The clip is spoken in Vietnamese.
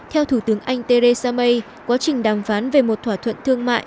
theo thủ tướng anh theresa may quá trình đàm phán về một thỏa thuận thương mại